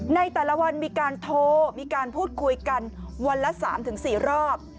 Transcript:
ในแต่ละวันมีการโทรมีการพูดคุยกันวันละ๓๔รอบ